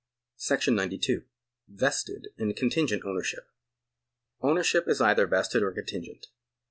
^§ 92. Vested and Contingent Ownership. Ownership is either vested or contingent.